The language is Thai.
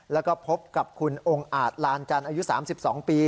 แล้วก็พบกับคุณองค์อาจลานจันทร์อายุ๓๒ปี